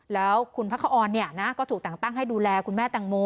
แล้วคุณพระคอนก็ถูกแต่งตั้งให้ดูแลคุณแม่แตงโม